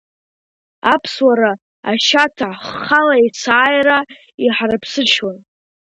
Аԥсуара ашьаҭа ҳхала есааира иҳарԥсыҽуан.